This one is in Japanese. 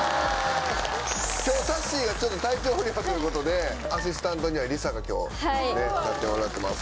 今日さっしーがちょっと体調不良ということでアシスタントにはりさが今日立ってもらってます。